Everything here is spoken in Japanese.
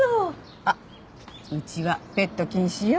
あっうちはペット禁止よ。